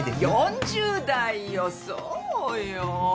４０代よそうよ。